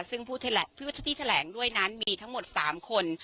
ซึ่งผู้ที่แถลงด้วยนั้นมีทั้งหมด๓คน